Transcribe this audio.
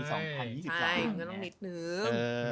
ใช่มันก็นิดนึง